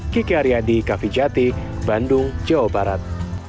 kiki aryadi kavijati bandung jawa barat